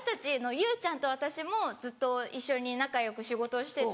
優ちゃんと私もずっと一緒に仲良く仕事をしてて。